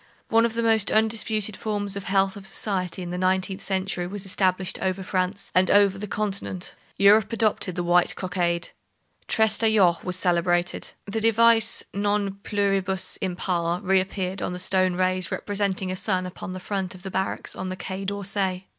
One of the most undisputed forms of the health of society in the nineteenth century was established over France, and over the continent. Europe adopted the white cockade. Trestaillon was celebrated. The device non pluribus impar reappeared on the stone rays representing a sun upon the front of the barracks on the Quai d'Orsay.